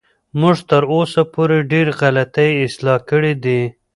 موږ تر اوسه پورې ډېرې غلطۍ اصلاح کړې دي.